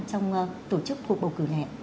trong tổ chức cuộc bầu cử này